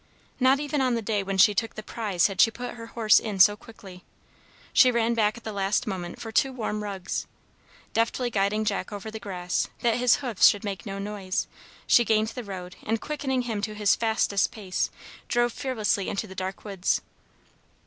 Not even on the day when she took the prize had she put her horse in so quickly. She ran back at the last moment for two warm rugs. Deftly guiding Jack over the grass, that his hoofs should make no noise, she gained the road, and, quickening him to his fastest pace, drove fearlessly into the dark woods.